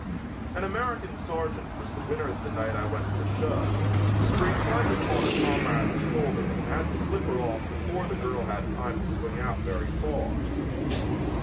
An American sergeant was the winner the night I went to the show, for he climbed upon a comrade's shoulder and had the slipper off before the girl had time to swing out very far.